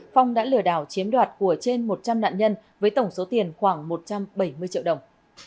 phong đã lừa đảo chiếm đoạt của trên một trăm linh nạn nhân với tổng số tiền khoảng một trăm bảy mươi triệu đồng